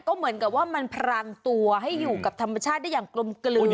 ก็เหมือนกับว่ามันพรางตัวให้อยู่กับธรรมชาติได้อย่างกลมกลืน